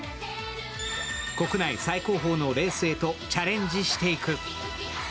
国内最高峰のレースへとチャレンジしていく。